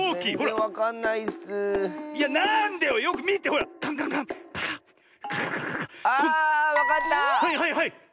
はいはいはい。